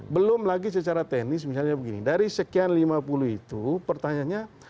belum lagi secara teknis misalnya begini dari sekian lima puluh itu pertanyaannya